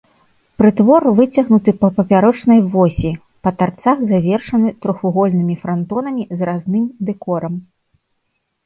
Прытвор выцягнуты па папярочнай восі, па тарцах завершаны трохвугольнымі франтонамі з разным дэкорам.